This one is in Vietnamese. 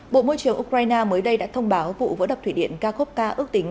bộ môi trường ukraine mới đây đã thông báo vụ vỡ đập thủy điện cakovca ước tính